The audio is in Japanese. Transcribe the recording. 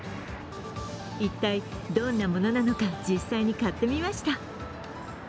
一体どんなものなのか実際に買ってみました。